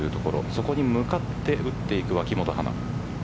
そこに向かって打っていく脇元華。